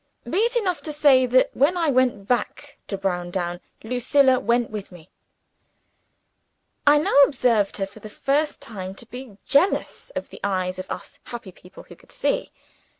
Be it enough to say, that when I went back to Browndown, Lucilla went with me. I now observed her, for the first time, to be jealous of the eyes of us happy people who could see.